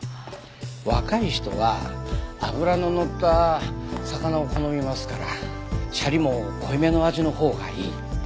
若い人は脂ののった魚を好みますからシャリも濃いめの味のほうがいい。